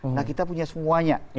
nah kita punya semuanya